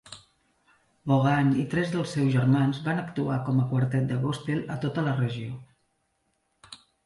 Vaughan i tres dels seus germans van actuar com a quartet de gospel a tota la regió.